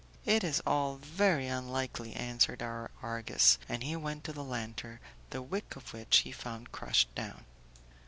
"It is all very unlikely," answered our Argus; and he went to the lantern, the wick of which he found crushed down.